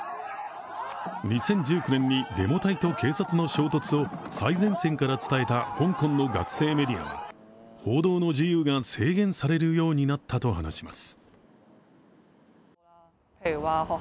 ２０１９年にデモ隊と警察の衝突を最前線から伝えた香港の学生メディアは報道の自由が制限されるようになったと話します。